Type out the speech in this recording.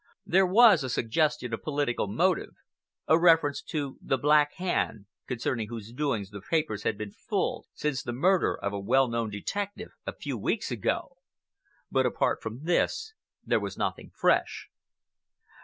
There was a suggestion of political motive, a reference to the "Black Hand," concerning whose doings the papers had been full since the murder of a well known detective a few weeks ago. But apart from this there was nothing fresh.